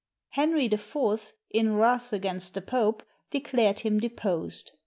Henry IV, in wrath against the Pope, declared him deposed.